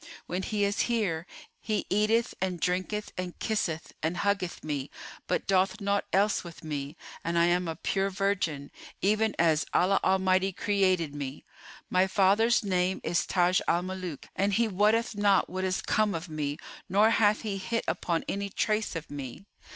When he is here, he eateth and drinketh and kisseth and huggeth me, but doth naught else with me, and I am a pure virgin, even as Allah Almighty created me. My father's name is Táj al Mulúk, and he wotteth not what is come of me nor hath he hit upon any trace of me.